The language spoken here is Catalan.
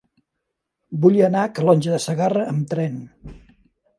Vull anar a Calonge de Segarra amb tren.